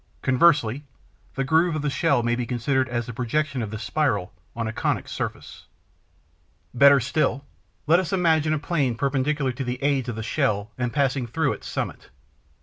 Conversely, the groove of the shell may be considered as the projection of this spiral on a conic surface. Better still. Let us imagine a plane perpendicular to the aids of the shell and passing through its summit.